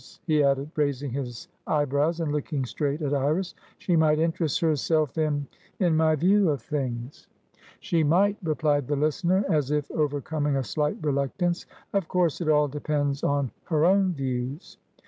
he added, raising his, eyebrows and looking straight at Iris. "She might interest herself inin my view of things." "She might," replied the listener, as if overcoming a slight reluctance. "Of course it all depends on her own views."